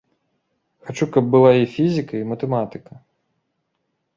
Хачу, каб была і фізіка, і матэматыка.